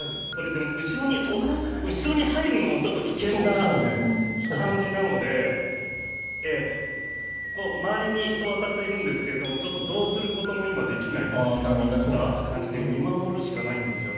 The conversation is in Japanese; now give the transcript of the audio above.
後ろに入るのもちょっと危険な感じなので周りには人がたくさんいるんですけど今、どうすることもできないといった感じで見守るしかないんですよね。